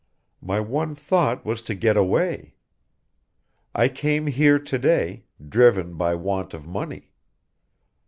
My one thought was to get away. I came here to day, driven by want of money.